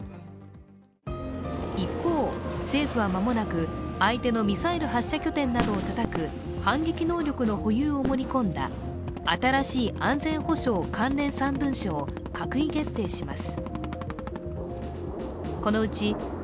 一方、政府は間もなく相手のミサイル発射拠点などをたたく反撃能力の保有を盛り込んだ新しい安全保障関連３文書を閣議決定します。